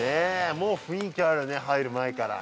もう雰囲気あるね、入る前から。